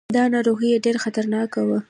دا ناروغي ډېره خطرناکه وه.